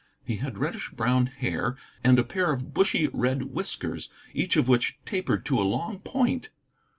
He had reddish brown hair, and a pair of bushy red whiskers, each of which tapered to a long point.